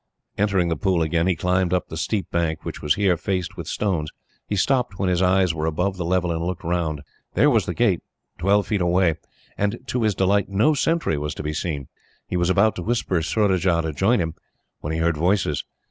Entering the pool again, he climbed up the steep bank, which was here faced with stones. He stopped when his eyes were above the level, and looked round. There was the gate, twelve feet away, and to his delight no sentry was to be seen. He was about to whisper Surajah to join him, when he heard voices.